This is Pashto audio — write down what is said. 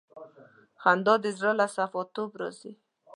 خندا د زړه له صفا توب راځي.